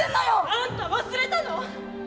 「あんた忘れたの？